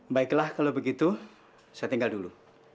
baiklah kalau begitu saya tinggal dulu